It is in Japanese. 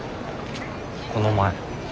この前。